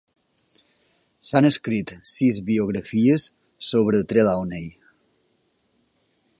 S'han escrit sis biografies sobre Trelawny.